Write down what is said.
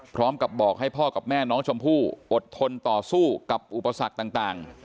พร้อมกับบอกให้พ่อกับแม่น้องชมพู่อดทนต่อสู้กับอุปสรรคต่าง